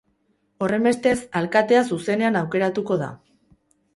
Horrenbestez, alkatea zuzenean aukeratuko da.